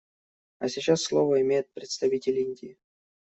А сейчас слово имеет представитель Индии.